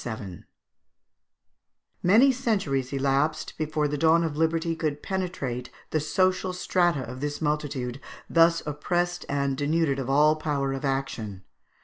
] Many centuries elapsed before the dawn of liberty could penetrate the social strata of this multitude, thus oppressed and denuded of all power of action.